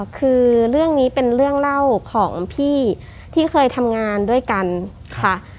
คือเรื่องนี้เป็นเรื่องเล่าของพี่ที่เคยทำงานด้วยกันค่ะ